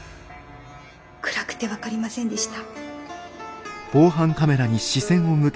暗くて分かりませんでした。